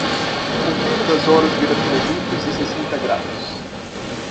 O ponteiro das horas vira trezentos e sessenta graus